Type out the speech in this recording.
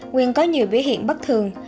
nguyên có nhiều biểu hiện bất thường